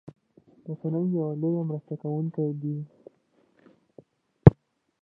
رسنۍ يو لويه مرسته کوونکي دي